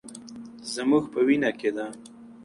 زموږ په وینه کې ده.